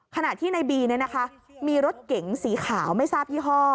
ขณะที่นายบีเนี่ยนะคะมีรถเก๋งสีขาวไม่ทราบยี่ห้อ